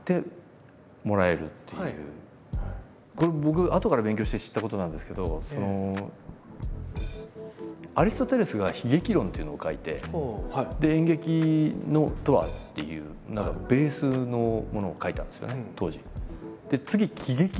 僕あとから勉強して知ったことなんですけどアリストテレスが「悲劇論」っていうのを書いて「演劇とは」っていう何かベースのものを書いたんですよね当時。